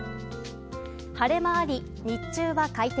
晴れ間あり、日中は快適。